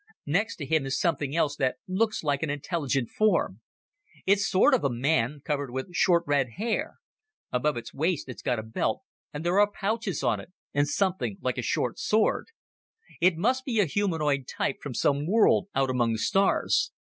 Next to him is something else that looks like an intelligent form. It's sort of a man, covered with short red hair. Around its waist it's got a belt, and there are pouches on it, and something like a short sword. It must be a humanoid type from some world out among the stars.